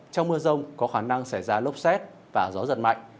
trong mưa rông có khả năng xảy ra lốc xét và gió giật mạnh